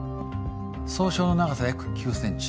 創傷の長さ約９ｃｍ。